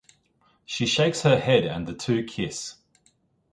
She shakes her head and the two kiss.